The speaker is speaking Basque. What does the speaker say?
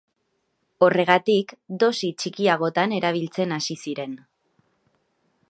Horregatik, dosi txikiagotan erabiltzen hasi ziren.